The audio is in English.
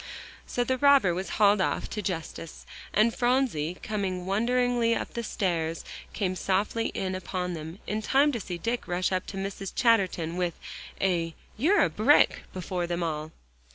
So the robber was hauled off to justice, and Phronsie, coming wonderingly up the stairs, came softly in upon them, in time to see Dick rush up to Mrs. Chatterton with a "You're a brick!" before them all.